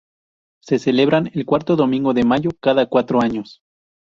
Se celebran el cuarto domingo de mayo cada cuatro años.